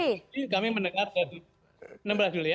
ini kami mendengar dari enam belas juli ya